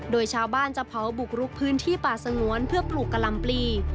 โดยชาวบ้านจะเผาบุกรุกพื้นที่ป่าสงวนเพื่อปลูกกะลำปลี